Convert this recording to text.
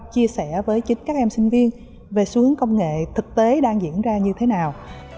chia sẻ với chính các em sinh viên về xu hướng công nghệ thực tế đang diễn ra như thế nào